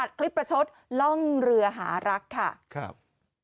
คลิปประชดล่องเรือหารักค่ะครับ